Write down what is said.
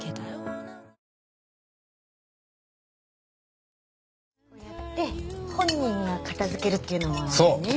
こうやって本人が片付けるっていうのもまたね。